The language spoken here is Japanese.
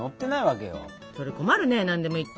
それ困るね何でもいいって。